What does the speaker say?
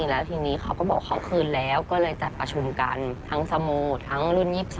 แล้วทีนี้เขาก็บอกเขาคืนแล้วก็เลยจัดประชุมกันทั้งสโมทั้งรุ่น๒๒